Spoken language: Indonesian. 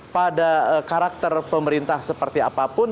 pada karakter pemerintah seperti apapun